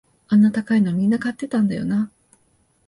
あんな高いのみんな買ってたんだよな